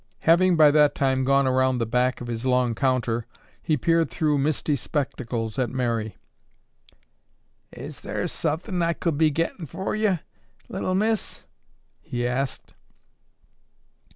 Having, by that time, gone around back of his long counter, he peered through misty spectacles at Mary. "Is thar suthin' I could be gettin' fer yo', Little Miss?" he asked.